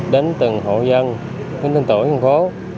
đến từng hộ dân đến từng tổ nhân phố